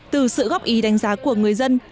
từ sự góp ý đánh giá của người dân